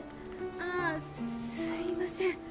ああすいません